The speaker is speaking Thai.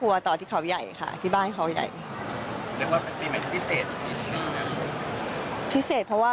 ว่ามื้อไหนพิเศษแน่ละคะ